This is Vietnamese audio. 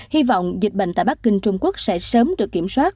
hy vọng dịch bệnh tại bắc kinh trung quốc sẽ sớm được kiểm soát